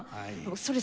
それ